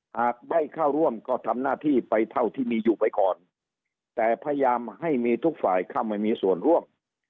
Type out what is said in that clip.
หากไม่เข้าร่วมก็ทำหน้าที่ไปเท่าที่มีอยู่ไปก่อนแต่พยายามให้มีทุกฝ่ายเข้าไม่มีส่วนร่วม